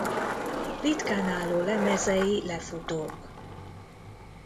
Ritkán álló lemezei lefutók.